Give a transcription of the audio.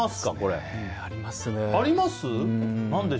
ありますね。